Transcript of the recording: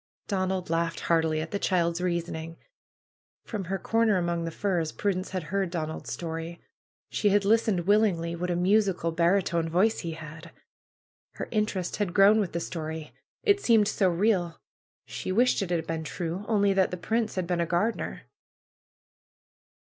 Donald laughed heartily at the child's reasoning. From her corner among the firs Prudence had heard Donald's story. She had listened willingly. What a musical baritone voice he had! Her interest had grown with the story. It seemed so real. She wished it had been true; only that the prince had been a gardener.